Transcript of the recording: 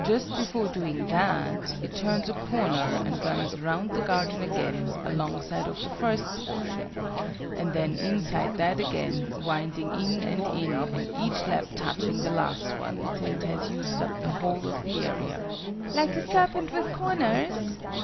Just before doing that, it turns a corner, and runs round the garden again, alongside of the first portion, and then inside that again, winding in and in, and each lap touching the last one, till it has used up the whole of the area." "Like a serpent with corners?"